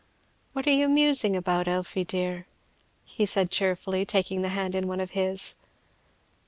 "What are you musing about, Elfie, dear?" he said cheerfully, taking the hand in one of his.